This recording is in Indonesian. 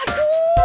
gak ada apa apa